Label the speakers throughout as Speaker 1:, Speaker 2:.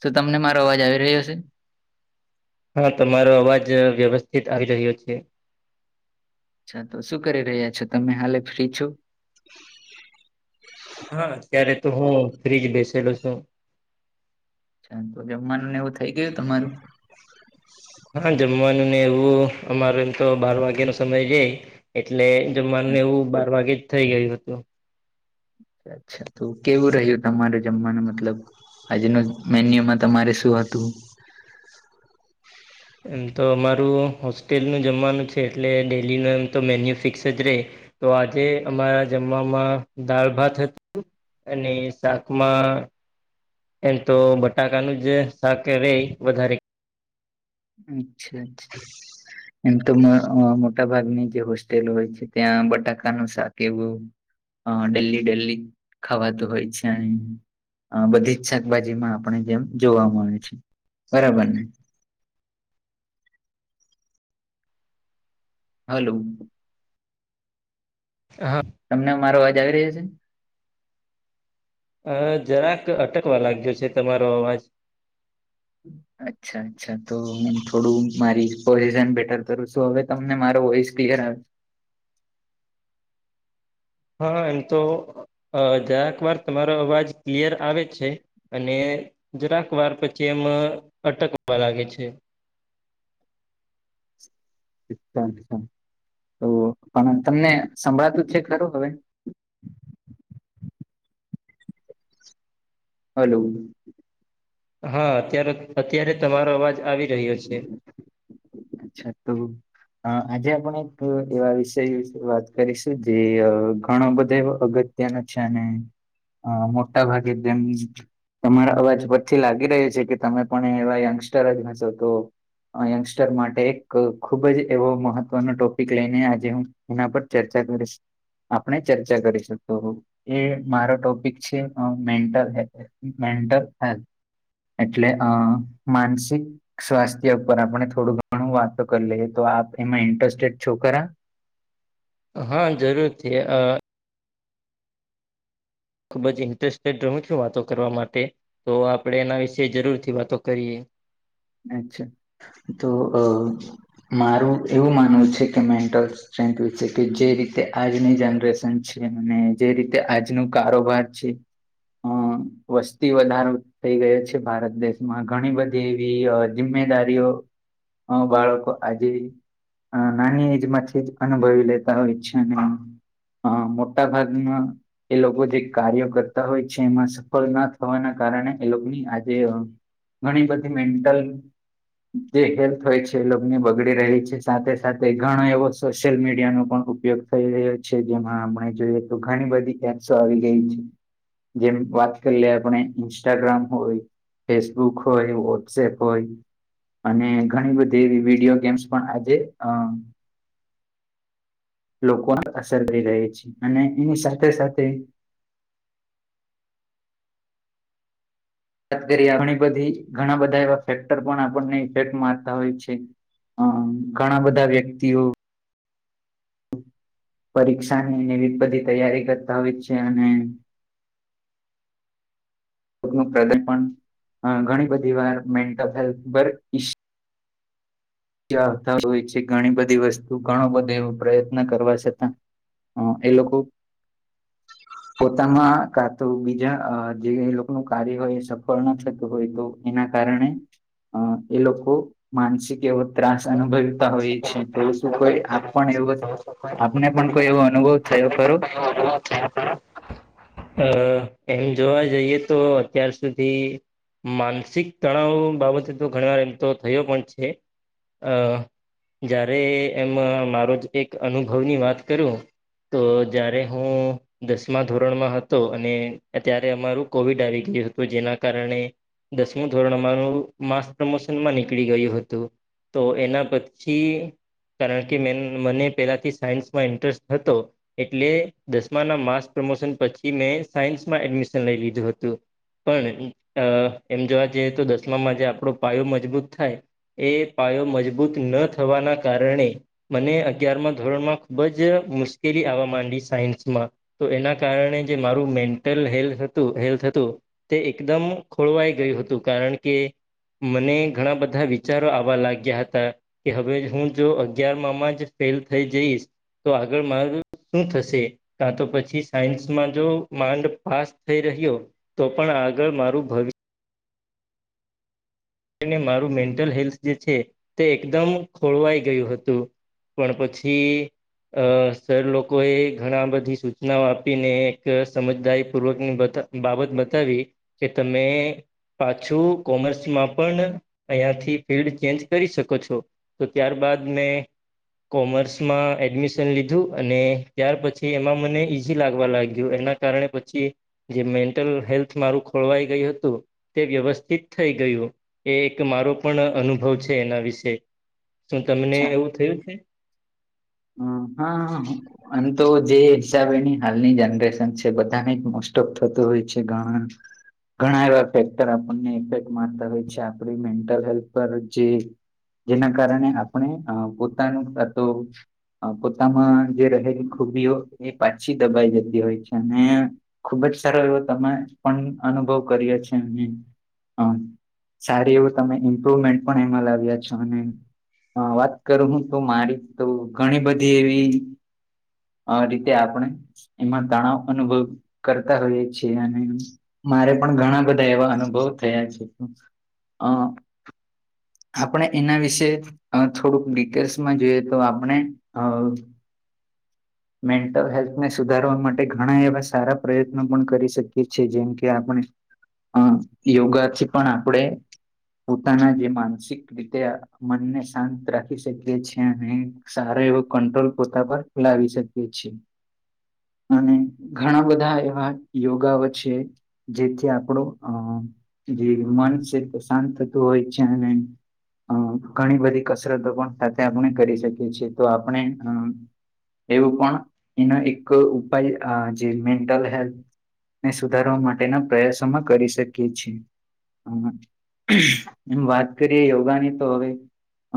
Speaker 1: તો તમને મારો અવાજ આવી રહ્યો શે?
Speaker 2: હા તમારો અવાજ વ્યવસ્થિત આવી રહ્યો છે.
Speaker 1: અચ્છા તો શું કરી રહ્યા છો, તમે હાલે ફ્રી છો?
Speaker 2: હા ત્યારે તો હું ફ્રીજ બેસેલો છું.
Speaker 1: તો જમવાનુ એવું થઈ ગયું તમારું?
Speaker 2: હા જમવાનું ને એવું અમારે એમ તો બાર વાગ્યાનો સમય રેય. એટલે જમવાનું એવું બાર વાગે જ થઈ ગયું. હતું
Speaker 1: અચ્છા તો કેવું રહ્યું તમારે જમવાનું? મતલબ. આજનું મેન્યુમાં તમારે શું હતું?
Speaker 2: એમ તો અમારું હોસ્ટેલનું જમવાનું છે એટલે ડેઇલીનું એમ તો મેન્યુ ફિક્સ જ રેય. તો આજે અમારા જમવામાં દાળ ભાત હતું. અને શાકમાં એમ તો બટાકાનું જ શાક રેય વધારે.
Speaker 1: અચ્છા, અચ્છા એમ તો મો મોટા ભાગની જે હોસ્ટેલ હોય છે, ત્યાં બટાકાનું શાક એવું હ ડેલી ડેલી ખવાતું હોય છે. અહીં અ બધી જ શાકભાજીમાં આપણે જેમ જોવા મળે છે બરાબર ને? હલો
Speaker 2: હા
Speaker 1: તમને મારો અવાજ આવી રહ્યો છે?
Speaker 2: અ જરાક અટકવા લાગ્યો છે તમારો અવાજ.
Speaker 1: [unintelligible] અચ્છા અચ્છા તો હું થોડું મારી પોઝિશન બેટર કરું છું હવે તમને મારો વોઇસ ક્લિયર આવે.
Speaker 2: હા એમ તો જરાક વાર તમારો અવાજ ક્લિયર આવે છે અને જરાક વાર પછી એમ અટકવા લાગે છે
Speaker 1: હા તો પણ તમને સંભળાતું છે ખરું હવે હલો
Speaker 2: હા અત્યારે અત્યારે તમારો અવાજ આવી રહ્યો છે.
Speaker 1: અચ્છા તો અ આજે આપણે એક એવા વિષય વિશે વાત કરીશું જે ઘણો બધા એ અગત્ય તેના છે અને અ મોટા ભાગે તેમ તમારા અવાજ પરથી લાગી રહ્યુ છે કે તમે પણ એવા યંગસ્ટર જ હશો તો યંગસ્ટર માટે એક ખુબ જ એવો મહત્વનો ટોપિક લઈને આજે હું એના પર ચર્ચા કરીશ આપણે ચર્ચા કરી શકો એ મારો ટોપિક છે મેન્ટલ હેલ્થ મેન્ટલ હેલ્થ એટલે અ માનસિક સ્વાસ્થ્ય ઉપર આપણે થોડું પણ હું વાતો કરી લે તો આપ, એમાં ઇન્ટરેસ્ટેડ છોકરા
Speaker 2: હા જરૂર થી અ ખૂબ જ ઇન્ટરેસ્ટેડ રહું છું વાતો કરવા માટે તો આપણે એના વિશે જરૂરથી વાતો કરીએ.
Speaker 1: અચ્છા, તો અ મારું એવું માનવું છે કે, મેન્ટલ [unintelligible] જે રીતે આજની જનરેશન છે અને જે રીતે આજનું કારોબાર છે. અ વસ્તી વધારો થઈ ગયો છે, ભારત દેશમાં ઘણી બધી [unintelligible] જિમ્મેદારીઓ અ બાળકો આજે નાની એજ માંથી જ અનુભવી લેતા હોય છે ને. અ મોટા ભાગમાં એ લોકો જે કાર્યો કરતા હોય છે, એમાં સફળ ના થવાના કારણે એ લોકોની આજે ઘણી બધી મેન્ટલ જે હેલ્થ હોય છે એ [unintelligible] બગડી રહી છે સાથે સાથે ઘણો એવો સોશિયલ મીડિયાનો પણ ઉપયોગ થઈ રહ્યો છે, જેમાં આપણે જોઈએ, તો ઘણી બધી એપસો આવી ગઈ છે. જેમ વાત કરી લઈએ, આપણે ઇન્સ્ટાગ્રામ હોય, ફેસબુક હોય. સેપ હોય અને ઘણી બધી વિડીયો ગેમ્સ પણ આજે અ લોકોને અસર કરી રહે છે અને એની સાથે સાથે [unintelligible] ઘણી બધી ઘણા બધા એવા ફેક્ટર પણ આપણને ઇફેક્ટમાં આવતા હોય છે. હ, ઘણા બધા વ્યક્તિઓ પરીક્ષા નેને બધી તૈયારી કરતા હોય છે, અને ઘણી બધી વાર મેન્ટલ હેલ્થ પર જવાબદાર હોય છે ઘણી બધી વસ્તુ ઘણો બધો એવો પ્રયત્ન કરવા છતાં હ એ લોકો પોતામાં કા તો બીજા જે લોકોનું કાર્ય હોય, એ સફળ ના થતું હોય તો. એના કારણે અ એ લોકો માનસિક એવ ત્રાસ અનુભવતા હોય છે તો શું કોઈ આપ પણ એવો આપને પણ કોઈ એવો અનુભવ થયો ખરું.
Speaker 2: હ છે. અ એમ જોવા જઈએ તો, અત્યાર સુધી માનસિક તણાવ બાબતે તો ઘણી વાર એમ તો થયો પણ છે. અ જ્યારે એમ મારો જ એક અનુભવની વાત કરુ તો જારે હું દસમા ધોરણમાં હતો અને અત્યારે અમારું કોવિડ આવી ગયું હતું જેના કારણે દસમું ધોરણ અમારું માસ પ્રમોશનમાં નીકળી ગયું હતું. તો એના પછી કારણ કે મને પહેલાંથી સાયન્સમાં ઇન્ટરેસ્ટ હતો. એટલે દસમા ના માર્સ પ્રમોશન પછી મેં સાયન્સમાં એડમિશન લઈ લીધું હતું. પણ અ એમ જોવા જઈએ તો દસમામાં જે આપણો પાયો મજબૂત થાય એ પાયો મજબૂત ન થવાના કારણે મને અગયાર ધોરણમાં બજ મુશ્કેલી આવવા માંડી સે. સાયન્સમાં તો એના કારણે જે મારું મેન્ટલ હેલ હતું હેલ્થ હતું. તે એકદમ ખોળવાઈ ગયું હતું કારણ કે મને ઘણા બધા વિચારો આવવા લાગ ગ્યા હતા, કે હવે હું જો અગિયાર માં જ ફેલ થઈ જઈશ. તો આગળ મારૂ શું થશે? કા તો પછી સાયન્સમાં જો માંડ પાસ થઈ રહ્યો. તો પણ આગળ મારું ભવિ મારું મેન્ટલ હેલ્થ જે છે તે એકદમ ખોળવાઈ ગયું હતું. પણ પછી અ સર લોકોએ ઘણા બધી સૂચનાઓ આપીને એક સમજદારીપૂર્વકની બધ બાબત બતાવી કે તમે પાછું કોમર્સમાં પણ અહીંયાથી ફિલ્ડ ચેન્જ કરી શકો છો તો ત્યારબાદ મેં કોમર્સમાં એડમિશન લીધું અને ત્યાર પછી એમાં મને ઈઝી લાગવા લાગ્યું એના કારણે પછી જે મેન્ટલ હેલ્થ મારું ખોળવાઈ ગયું હતું તે વ્યવસ્થિત થઈ ગયું. એ એક મારો પણ અનુભવ છે એના વિશે શું તમને એવું થયું છે?
Speaker 1: હ હાહા હમ્મ આમ તો જે હિસાબેની હાલની જનરેશન છે બધાને મોસ્ટ ઓફ થતું હોય છે ઘણા ઘણા એવા ફેક્ટર આપણને ઇફેક્ટ મારતા હોય છે આપણી મેન્ટલ હેલ્થ પર જે જેના કારણે આપણે અ પોતાનું [unintelligible] પોતામાં જે રહેલી ખુબીઓ એ પાછી દબાઈ જતી હોય છે અને ખુબ જ સારો એવો તમે પણ અનુભવ કરીયો છે અમને. સારી એવું તમે ઇમ્પ્રુવમેન્ટ પણ એમાં લાવ્યા છો અને હા વાત કરું હું તો મારી તો ઘણી બધી એવી આ રીતે આપણે એમાં તણાવ અનુભવ કરતા હોઈએ છીએ અને મારે પણ ઘણા બધા એવા અનુભવ થયા છે અ આપણે એના વિશેે અ થોડુંક ડિટેલ્સમાં જોઈએ તો આપણે અ મેન્ટલ હેલ્થને સુધારવા માટે ઘણા એવા સારા પ્રયત્નો પણ કરી શકીએ છીએ, જેમ કે આપણે અ યોગાથી પણ આપણેે પોતાના જે માનસિક રીતે મનને શાંત રાખી શકીએ છ છેીએ અ સારો એવો કંટ્રોલ પોતા પર લાવી શકીએીએ અને ઘણા બધા એવા યોગા વચ્ચે જેથી આપણું અ જે મન છે પ્ર શાંત થતું હોય છે અને અમ ઘણી બધી કસરતો પણ સાથે આપણે કરી શકીએ છીએ તો આપણે અ એવું પણ એનો એક ઉપાય જે મેન્ટલ હેલ્થ ને સુધારવા માટેના પ્રયાસોમાં કરી શકીએ છીએ હમ એમ વાત કરીએ યોગાની તો હવે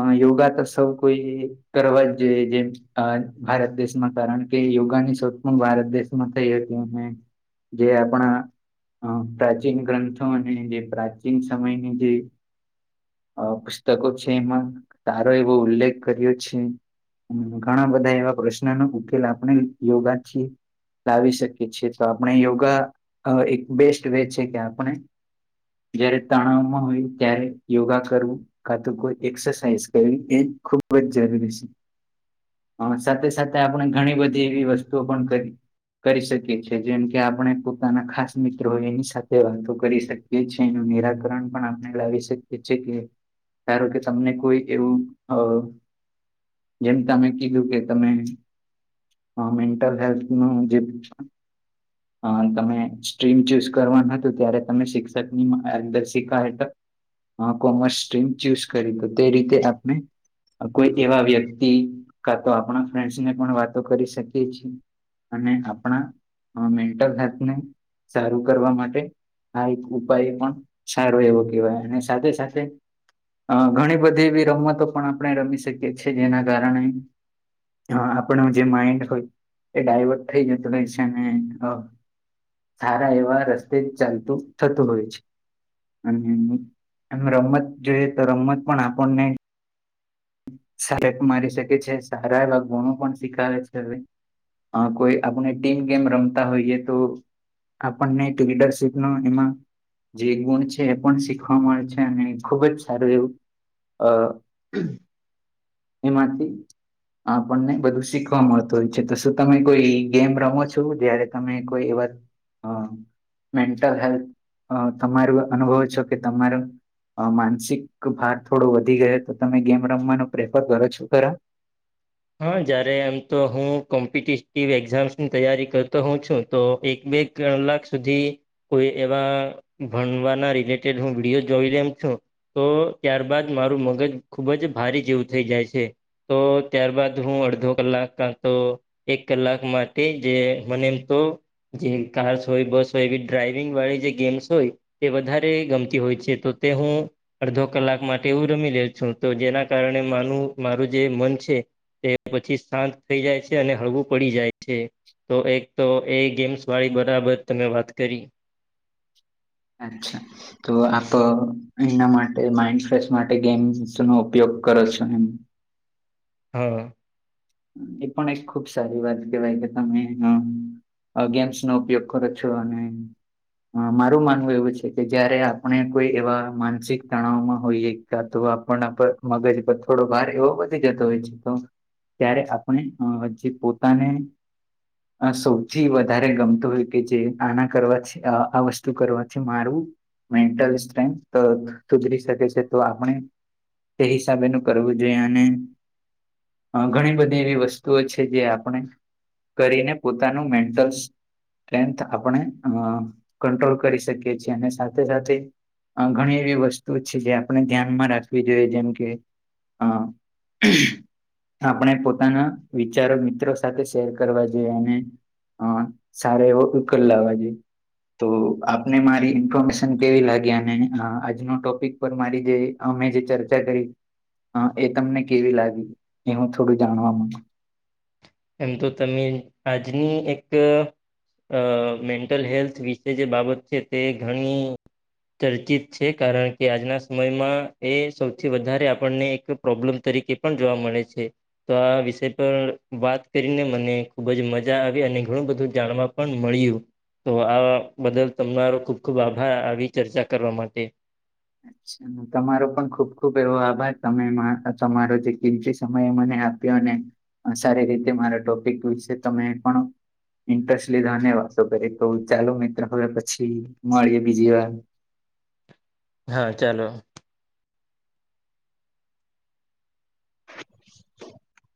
Speaker 1: હ યોગા તો સૌ કોઈ કરવા જ જોઈએ જેમ અ ભારત દેશમાં કારણ કે યોગાની શોધ પણ ભારત દેશમાં થઈ હતી અને જે આપણા પ્રાચીન ગ્રંથો અને જે પ્રાચીન સમયની જે અ પુસ્તકો છે એમાં સારો એવો ઉલ્લેખ કર્યો છે ઘણા બધા એવા પ્રશ્નનો ઉકેલ આપણે યોગા છીએ લાવી શકીએ છીએ તો આપણે યોગા એક બેસ્ટ વે છે કે આપણે જયારે તણાવમાં હોય ત્યારે યોગા કરવું કા તોું કોઈ એક્સરસાઇઝ કરવી એ ખૂબ જ જરૂરી છે હ સાથે સાથે આપણે ઘણી બધી એવી વસ્તુઓ પણ કરી કરી શકીએ છીએ જેમ કે આપણે પોતાના ખાસ મિત્ર હોય એની સાથે વાતો કરી શકીએ એ છે એનું નિરાકરણ પણ આપણે લાવી શકીએ એ છે કે ધારો કે તમને કોઈ એવું અ જેમ તમે કીધું કે તમે મેન્ટલ હેલ્થ નું જે અ તમે સ્ટ્રીમ ચૂઝ કરવાનું હતું ત્યારે તમે શિક્ષકની માર્ગદર્શિકા કોમર્સ સ્ટ્રીમ ચુઝ કરી તો તે રીતે આપણે કોઈ એવા વ્યક્તિ કા તો આપણા ફ્રેન્ડસ ને પણ વાતો કરી શકીએ છીએ અને આપણા મેન્ટલ હેલ્થને સારું કરવા માટે આ એક ઉપાય પણ સારો એવો કેહેવાય અને સાથે સાથે અ ઘણી બધી એવી રમતો પણ આપણે રમી શકીએ છીએ જેના કારણે હ આપણો જે માઈન્ડ હોય એ ડાયવર્ટ થઈ જતું રહે છે ને સારા એવા રસ્તે જ ચાલતું થતું હોય છે અને એમ રમત જોઈએ તો રમત પણ આપણને સક મારી શકે છે સારા એવા ગુણો પણ સ્ીખારે છે હવે અ કોઈ આપણે ટીમ ગેમ રમતા હોઈએ તો આપણને એક લીડરશીપનો એમાં જે ગુણ છે એ પણ શીખવા મળે છે અને ખુબ જ સારું એવું અ એમાંથી આપણને બધું શીખવા મળતું હોય છે તો શું તમે કોઈ ગેમ રમો છો જયારે તમે કોઈ એવા અ મેન્ટલ હેલ્થ તમારું અનુભવ છો કે તમારું માનસિક ભાર થોડો વધી ગયો તો તમે ગેમ રમવાનો પ્રેફર કરો છો ખરા
Speaker 2: હા જારે એમ તો હું કોમ્પિટેટિવ એક્ઝામ્સની તૈયારી કરતો હોઉં છું તો એક બે કેલાક સુધી કોઈ એવા ભણવાના રિલેટેડ હું વિડીયો જોઈ લમ છું તો ત્યારબાદ મારું મગજ ખૂબ જ ભારે જેવું થઈ જાય છે તો ત્યારબાદ હું અડધો કલાક ક તો એક કલાક માટે જે મને એમ તો જે કાર્સ હોય બસ હોય એ ડ્રાઈવિંગ વાળી જે ગેમ્સ હોય તે વધારે ગમતી હોય છે તો તે હું અડધો કલાક માટે એવું રમી લે છું તો જેના કારણે માનું મારું જે મન છે તે પછી શાંત થઈ જાય છે અને હળવું પડી જાય છે તો એક તો એ ગેમ્સ વાળી બરાબર તમે વાત કરી
Speaker 1: અચ્છા તો આપ એના માટે માઇન્ડ ફેશ માટે ગેમસ નો ઉપયોગ કરો છો એમ
Speaker 2: હા
Speaker 1: એ પણ એક ખુબ સારી વાત કેવાય કે તમે ગેમ્સ નો ઉપયોગ કરો છો અને મારું માનવું એવું છે કે જયારે આપણે કોઈ એવા માનસિક તણાવમાં હોઈએ ક્યાં તો આપણ મગજ પર થોડો વાાર એવો બી જતો હોય છે તો ત્યારે આપણે અ જે પોતાને સૌથી વધારે ગમતું હોય કે જે આના કરવાથી આ વસ્તુ કરવાથી મારુ. મેન્ટલ સ્ટ્રેન્થ સુધરી શકે છે તો આપણે તે હિસાબે ન કરવું જોઈએ અને ઘણી બધી એવી વસ્તુઓ છે જે આપણે કરીને પોતાનું મેન્ટલ સેન્થ આપણે અ કંટ્રોલ કરી શકીએ છીએ અને સાથે સાથે ઘણી એવી વસ્તુ છે જે આપણે ધ્યાનમાં રાખવી જોઈએ જેમ કે હા [unintelligible] આપણે પોતાના વિચારો મિત્રો સાથે શેર કરવા જોઈએ અને હા સારો એવ ઉકેલ લવો જોઈએ તો આપને મારી ઇન્ફોર્મેશન કેવી લાગી અને આજનો ટોપિક ઉપ મારી જે અમે જે ચર્ચા કરી એ તમને કેવી લાગી એ હું થોડું જાણવા મળ
Speaker 2: એમ તો તમે આજની એક અ મેન્ટલ હેલ્થ વિશે જે બાબત છે, તે ઘણી ચર્ચિત છે, કારણ કે આજના સમયમાં એ સૌથી વધારે આપણને એક પ્રોબ્લમ તરીકે પણ જોવા મળે છે, તો આ વિષય પર વાત કરીને મને ખુબ જ મજા આવી અને ઘણું બધું જાણવા પણ મળ્યું તો આ બદલ તમારો ખુબ ખુબ આભાર આવી ચર્ચા કરવા માટે
Speaker 1: તમારો પણ ખુબ ખુબ એવો આભાર તમે તમારો જે કિં સમયે મને સારી રીતે મારા ટોપિક વિશે ત પણ ઇન્ટરેસ્ટ લીધો વાતો કરી તો ચાલો મિત્ર હવે પછી મળીએ બીજી વાર
Speaker 2: હા ચાલો
Speaker 1: [inaudible]